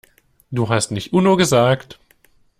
Du hast nicht Uno gesagt.